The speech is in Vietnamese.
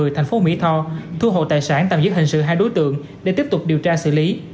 thành phố mỹ tho thu hồ tài sản tạm giữ hình sự hai đối tượng để tiếp tục điều tra xử lý